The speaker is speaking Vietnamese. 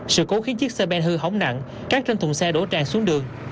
sự cố khiến chiếc xe bên hư hóng nặng cát trên thùng xe đổ tràn xuống đường